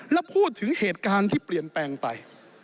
แล้วพูดถึงเหตุการณ์ที่เปลี่ยนแปลงไป